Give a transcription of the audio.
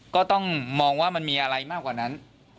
ก็ต้องมองว่ามันมีอะไรมากกว่านั้น